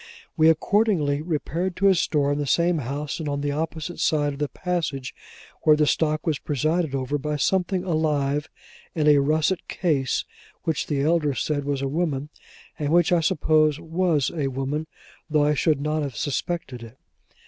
We accordingly repaired to a store in the same house and on the opposite side of the passage, where the stock was presided over by something alive in a russet case, which the elder said was a woman; and which I suppose was a woman, though I should not have suspected it.